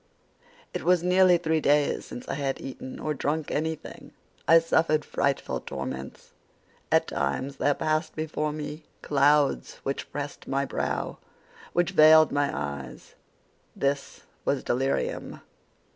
"It was nearly three days since I had eaten or drunk anything. I suffered frightful torments. At times there passed before me clouds which pressed my brow, which veiled my eyes; this was delirium.